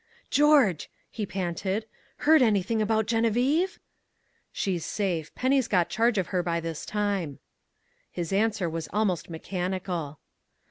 "George," he panted, "heard anything about Geneviève?" "She's safe. Penny's got charge of her by this time." His answer was almost mechanical.